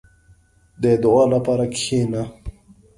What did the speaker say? • د دعا لپاره کښېنه.